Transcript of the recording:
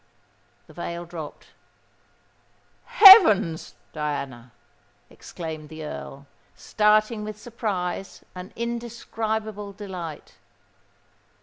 The veil dropped. "Heavens! Diana," exclaimed the Earl, starting with surprise and indescribable delight.